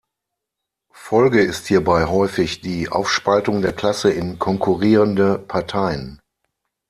Folge ist hierbei häufig die Aufspaltung der Klasse in konkurrierende Parteien.